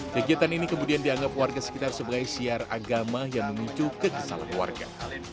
kegiatan ini kemudian dianggap warga sekitar sebagai siar agama yang menunjuk ke kesalahan warga